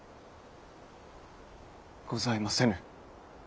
ございませぬ。